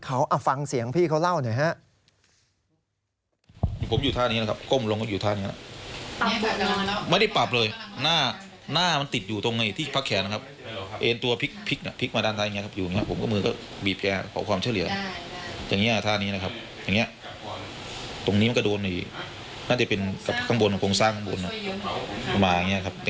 คือคุณคิดดูถ้าไม่เอนตัวจะเป็นยังไง